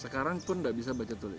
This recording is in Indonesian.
sekarang pun nggak bisa baca tulis